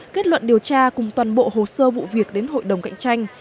kết luận điều tra cùng toàn bộ hồ sơ vụ việc đến hội đồng cạnh tranh